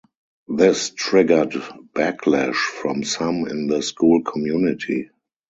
This triggered backlash from some in the school community.